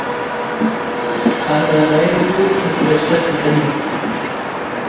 pararayku oqosqa tiyani